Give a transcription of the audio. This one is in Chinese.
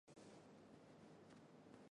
出生于宾夕法尼亚州的布卢姆斯堡。